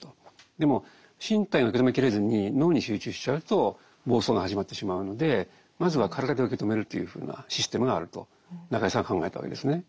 でも身体が受け止めきれずに脳に集中しちゃうと暴走が始まってしまうのでまずは体で受け止めるというふうなシステムがあると中井さんは考えたわけですね。